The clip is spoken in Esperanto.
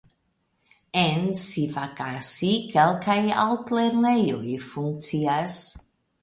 En Sivakasi kelkaj altlernejoj funkcias.